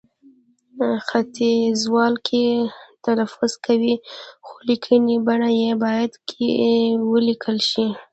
ختیځوال کښې، کې تلفظ کوي، خو لیکنې بڼه يې باید کښې ولیکل شي